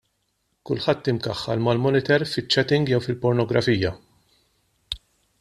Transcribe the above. Kulħadd imkaħħal mal-monitor fiċ-chatting jew fil-pornografija.